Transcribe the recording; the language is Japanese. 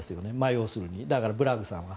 要するに、だからブラッグさんは。